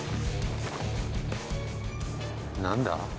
何だ？